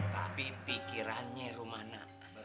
tapi pikirannya rumana